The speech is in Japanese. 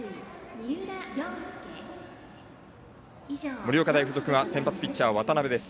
盛岡大付属は先発ピッチャーは渡邊です。